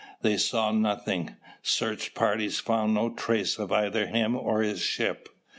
They saw nothing. Search parties found no trace of either him or his ship.